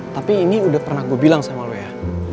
tapi ini udah pernah gue bilang sama lo ya